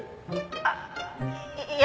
「ああいや